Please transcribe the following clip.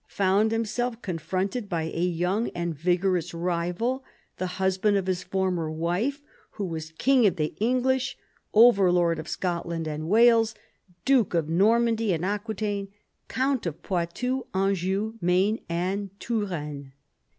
found himself confronted by a young and vigorous rival, the husband of his former wife, who was king of the English, overlord of Scotland and Wales, duke of Normandy and Aquitaine, count of Poitou, Anjou, Maine, and Touraine.